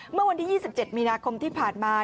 เมื่อวันที่๒๗มีนาคมที่ผ่านมา